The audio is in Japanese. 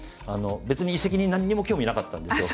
別に遺跡に何にも興味なかったんですよ。